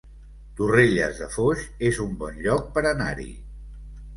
Torrelles de Foix es un bon lloc per anar-hi